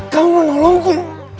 kau mau nolongku